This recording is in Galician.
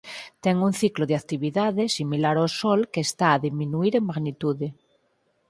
Ten un ciclo de actividade similar ó Sol que está a diminuír en magnitude.